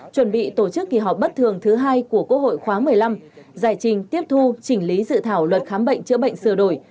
chuẩn bị tổ chức kỳ họp bất thường thứ hai của quốc hội khóa một mươi năm giải trình tiếp thu chỉnh lý dự thảo luật khám bệnh chữa bệnh sửa đổi